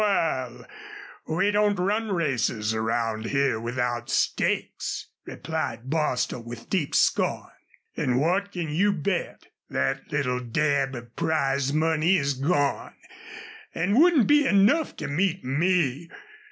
Wal, we don't run races around here without stakes," replied Bostil, with deep scorn. "An' what can you bet? Thet little dab of prize money is gone, an' wouldn't be enough to meet me.